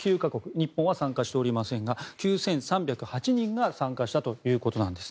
日本は参加しておりませんが９３０８人が参加したと。